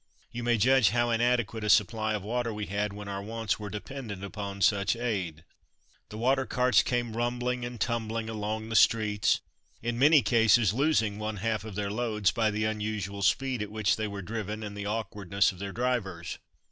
You may judge how inadequate a supply of water we had when our wants were dependent upon such aid. The water carts came rumbling and tumbling along the streets, in many cases losing one half of their loads by the unusual speed at which they were driven and the awkwardness of their drivers.